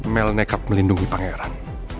mel nekat melindungi pangeran